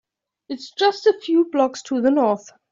It’s just a few blocks to the North.